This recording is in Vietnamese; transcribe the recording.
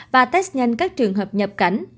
và test nhanh các trường hợp nhập cảnh